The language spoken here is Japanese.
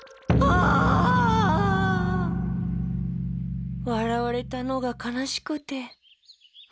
あ！わらわれたのがかなしくて。